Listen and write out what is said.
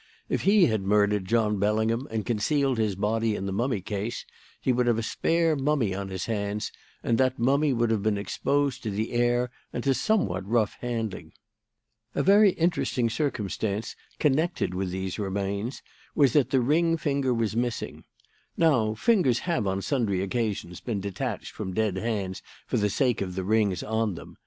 If he had murdered John Bellingham and concealed his body in the mummy case, he would have a spare mummy on his hands, and that mummy would have been exposed to the air and to somewhat rough handling. "A very interesting circumstance connected with these remains was that the ring finger was missing. Now, fingers have on sundry occasions been detached from dead hands for the sake of the rings on them.